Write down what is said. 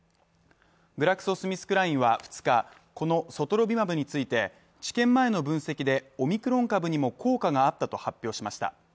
グラクソ・スミスクラインは２日、このソトロビマブについて治験前の分析でオミクロン株にも効果があったと発表しました。